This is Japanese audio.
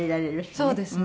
そうですね。